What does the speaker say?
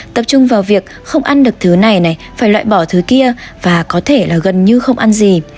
tập trung vào việc không ăn được thứ này này phải loại bỏ thứ kia và có thể là gần như không ăn gì